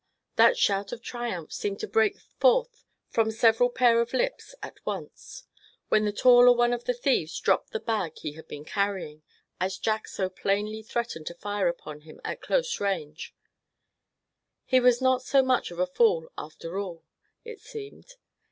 That shout of triumph seemed to break forth from several pair of lips at once, when the taller one of the two thieves dropped the bag he had been carrying, as Jack so plainly threatened to fire upon him at close range. He was not so much of a fool after all, it seemed.